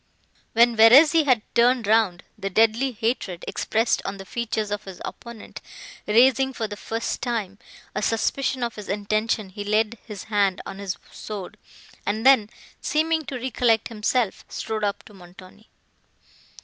When Verezzi had turned round, the deadly hatred, expressed on the features of his opponent, raising, for the first time, a suspicion of his intention, he laid his hand on his sword, and then, seeming to recollect himself, strode up to Montoni.